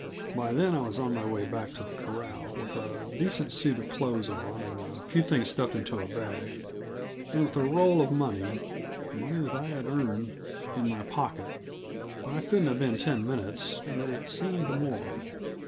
By then I was on my way back to the corral, with a decent suit of clothes on and a few things stuffed into a bag, and with a roll of money money that I had earned in my pocket. I couldn't have been ten minutes, but it seemed more.